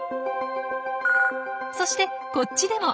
そしてこっちでも。